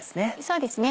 そうですね